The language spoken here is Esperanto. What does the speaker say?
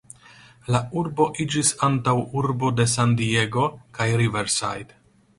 La urbo iĝis antaŭurbo de San-Diego kaj Riverside.